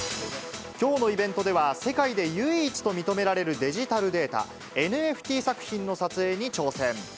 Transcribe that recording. きょうのイベントでは、世界で唯一と認められるデジタルデータ、ＮＦＴ作品の撮影に挑戦。